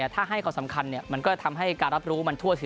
ถ้าให้ความสำคัญมันก็ทำให้การรับรู้มันทั่วถึง